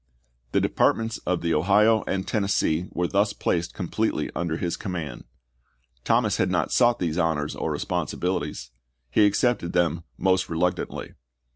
The Departments of the Ohio and Tennessee were thus placed completely under his command. Thomas had not sought these honors or responsibilities ; he accepted them most reluctantly.